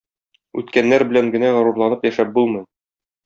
Үткәннәр белән генә горурланып яшәп булмый.